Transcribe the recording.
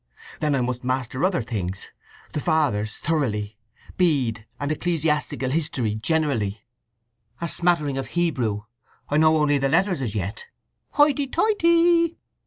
Then I must master other things: the Fathers thoroughly; Bede and ecclesiastical history generally; a smattering of Hebrew—I only know the letters as yet—" "Hoity toity!"